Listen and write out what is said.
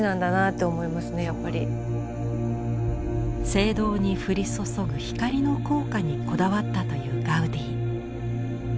聖堂に降り注ぐ光の効果にこだわったというガウディ。